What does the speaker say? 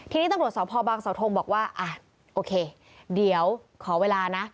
ทีนี้ตรวจสอบพบางสอบโทงบอกว่าโอเคเดี๋ยวขอเวลานะ